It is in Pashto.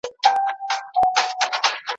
کیسې پاته د امیر سوې د ظلمونو